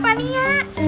terima kasih ya